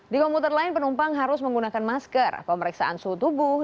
di komuter lain penumpang harus menggunakan masker pemeriksaan suhu tubuh